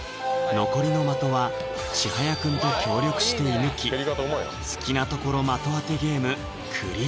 残りの的はちはやくんと協力して射ぬき好きなところ的当てゲームクリア！